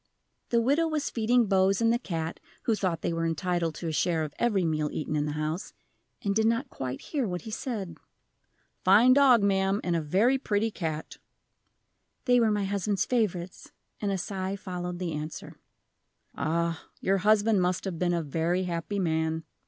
The widow was feeding Bose and the cat (who thought they were entitled to a share of every meal eaten in the house), and did not quite hear what he said. "Fine dog, ma'am, and a very pretty cat." "They were my husband's favorites," and a sigh followed the answer. "Ah, your husband must have been a very happy man."